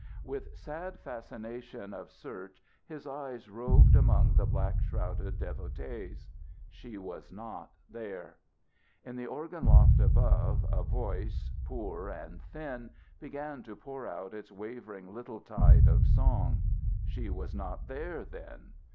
With sad fascination of search his eyes roved among the black shrouded devotees. She was not there. In the organ loft above, a voice, poor and thin, began to pour out its wavering little tide of song. She was not there, then.